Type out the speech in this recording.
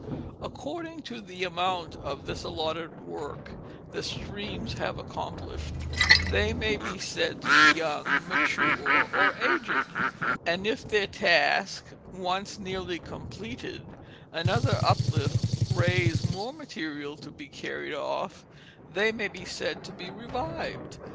According to the amount of this alloted work that streams have accomplished, they may be said to be young, mature or aged ; and if, their task once nearly com pleted, another uplift raise more material to be carried off, they may be said to be revived.